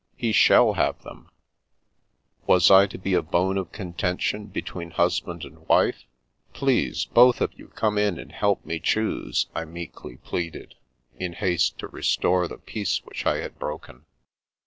He shall have them*" Pots, Kettles, and Other Things 5 1 Was I to be a bone of contention between husband and wife ?" Please, both of you come in and help me choose," I meekly pleaded, in haste to restore the peace which I had broken.